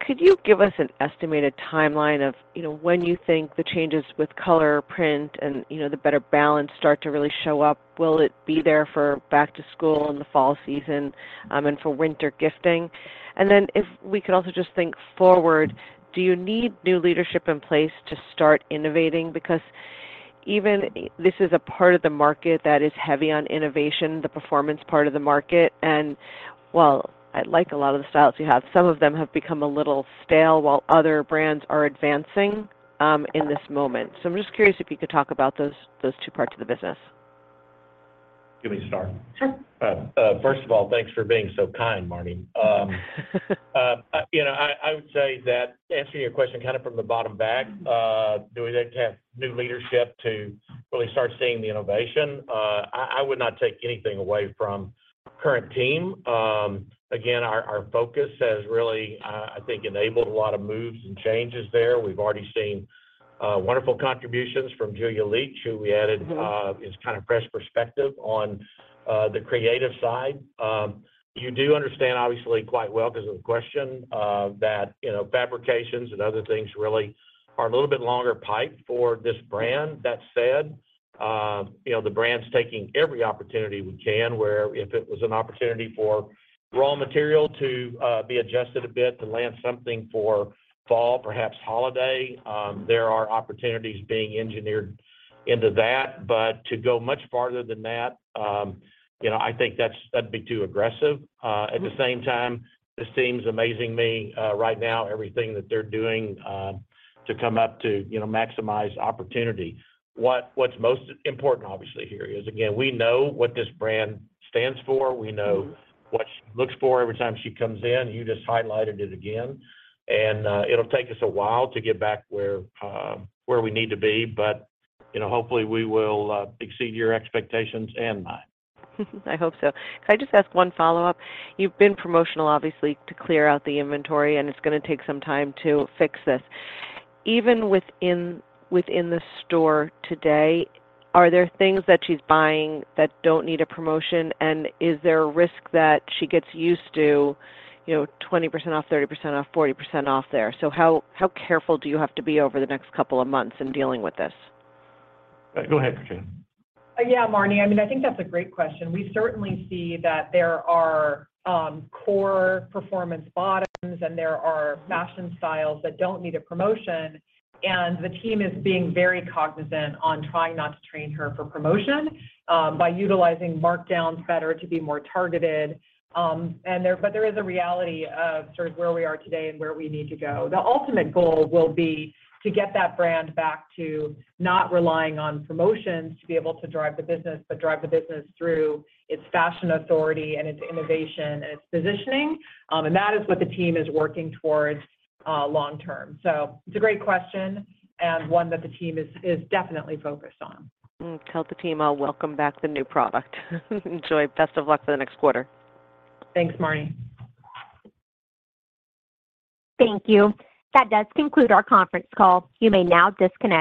Speaker 14: could you give us an estimated timeline of, you know, when you think the changes with color, print, and, you know, the better balance start to really show up? Will it be there for back to school in the fall season and for winter gifting? If we could also just think forward, do you need new leadership in place to start innovating? This is a part of the market that is heavy on innovation, the performance part of the market, and while I like a lot of the styles you have, some of them have become a little stale, while other brands are advancing in this moment. I'm just curious if you could talk about those two parts of the business.
Speaker 3: Do you want me to start?
Speaker 14: Sure.
Speaker 3: First of all, thanks for being so kind, Marni. You know, I would say that answering your question kind of from the bottom back, do we need to have new leadership to really start seeing the innovation? I would not take anything away from current team. Again, our focus has really, I think, enabled a lot of moves and changes there. We've already seen wonderful contributions from Julia Leach, who we added, is kind of fresh perspective on the creative side. You do understand, obviously, quite well, because of the question, that, you know, fabrications and other things really are a little bit longer pipe for this brand. That said, you know, the brand's taking every opportunity we can, where if it was an opportunity for raw material to be adjusted a bit to land something for fall, perhaps holiday, there are opportunities being engineered into that. To go much farther than that, you know, I think that'd be too aggressive. At the same time, this seems amazing me right now, everything that they're doing to come up to, you know, maximize opportunity. What's most important, obviously here is, again, we know what this brand stands for. We know what she looks for every time she comes in. You just highlighted it again, and it'll take us a while to get back where we need to be, but, you know, hopefully, we will exceed your expectations and mine.
Speaker 14: I hope so. Can I just ask one follow-up? You've been promotional, obviously, to clear out the inventory, and it's going to take some time to fix this. Even within the store today, are there things that she's buying that don't need a promotion, and is there a risk that she gets used to, you know, 20% off, 30% off, 40% off there? How careful do you have to be over the next couple of months in dealing with this?
Speaker 3: Go ahead, Katrina.
Speaker 4: Yeah, Marni, I mean, I think that's a great question. We certainly see that there are core performance bottoms, and there are fashion styles that don't need a promotion, and the team is being very cognizant on trying not to train her for promotion by utilizing markdowns better to be more targeted. But there is a reality of sort of where we are today and where we need to go. The ultimate goal will be to get that brand back to not relying on promotions to be able to drive the business, but drive the business through its fashion authority and its innovation and its positioning. That is what the team is working towards long term. It's a great question and one that the team is definitely focused on.
Speaker 14: Tell the team I'll welcome back the new product. Enjoy. Best of luck for the next quarter.
Speaker 4: Thanks, Marni.
Speaker 1: Thank you. That does conclude our conference call. You may now disconnect.